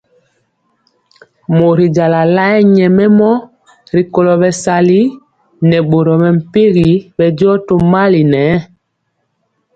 Mori jala lae nyɛmemɔ rikolo bɛsali nɛ boro mɛmpegi bɛndiɔ tomali nɛ.